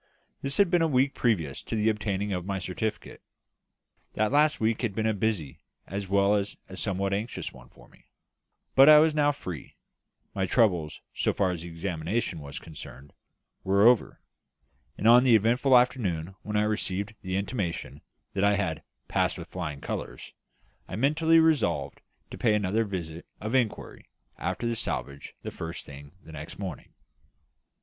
This had been a week previous to the obtaining of my certificate. That last week had been a busy as well as a somewhat anxious one for me; but I was now free; my troubles, so far as the examination was concerned, were over; and on the eventful afternoon, when I received the intimation that I had "passed with flying colours," I mentally resolved to pay another visit of inquiry after the salvage the first thing the next morning.